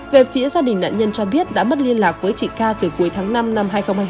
về phía gia đình nạn nhân cho biết đã mất liên lạc với chị ca từ cuối tháng năm năm hai nghìn hai mươi hai